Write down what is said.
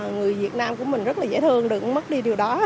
người việt nam của mình rất là dễ thương được mất đi điều đó